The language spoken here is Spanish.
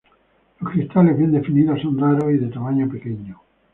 Los cristales bien definidos son raros y de tamaño pequeño.